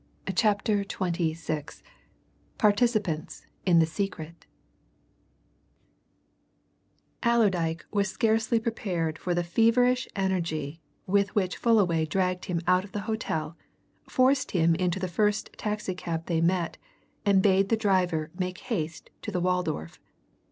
CHAPTER XXVI PARTICIPANTS IN THE SECRET Allerdyke was scarcely prepared for the feverish energy with which Fullaway dragged him out of the hotel, forced him into the first taxi cab they met, and bade the driver make haste to the Waldorf.